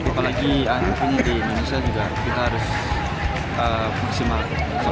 apalagi anak anak di indonesia juga kita harus maksimal